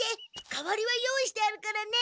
代わりは用意してあるからね！